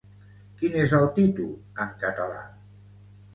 Quin és el títol en català?